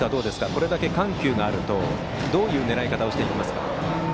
これだけ緩急があるとどういう狙い方をしていきますか。